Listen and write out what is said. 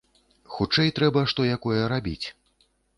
Хутчэй трэба што якое рабіць.